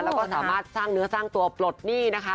แล้วก็สามารถสร้างเนื้อสร้างตัวปลดหนี้นะคะ